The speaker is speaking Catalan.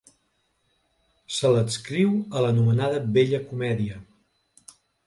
Se l'adscriu a l'anomenada vella comèdia.